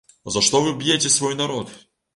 За што вы б'яце свой народ?